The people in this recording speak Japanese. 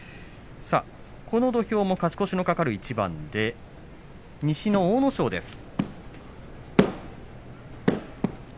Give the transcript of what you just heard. この土俵も勝ち越しの懸かる一番で西の阿武咲です。